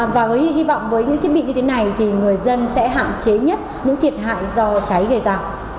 và với hy vọng với những thiết bị như thế này thì người dân sẽ hạn chế nhất những thiệt hại do cháy gây ra